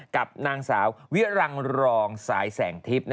กับนางสาวเวียรังรองสายแสงทิม